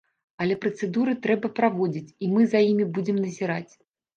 Але працэдуры трэба праводзіць, і мы за імі будзем назіраць.